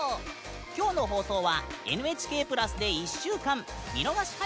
今日の放送はＮＨＫプラスで１週間見逃し配信をしているよ！